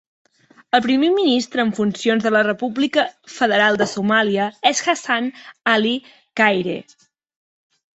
El primer ministre en funcions de la República Federal de Somàlia és Hassan Ali Khayre.